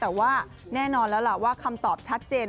แต่ว่าแน่นอนแล้วล่ะว่าคำตอบชัดเจน